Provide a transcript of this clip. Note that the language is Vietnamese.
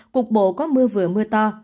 cuộc bộ có mưa vừa mưa to